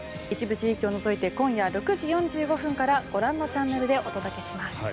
一部地域を除いて今夜６時４５分からご覧のチャンネルでお送りします。